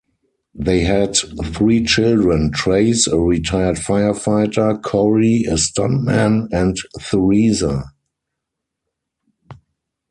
They had three children: Trace, a retired firefighter; Corey, a stuntman; and Theresa.